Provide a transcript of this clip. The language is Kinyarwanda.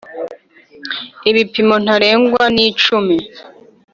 ibipimo ntarengwa nicumi.